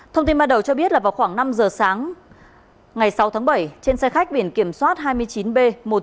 thông tin bắt đầu cho biết là vào khoảng năm giờ sáng ngày sáu tháng bảy trên xe khách biển kiểm soát hai mươi chín b một mươi chín nghìn một trăm linh ba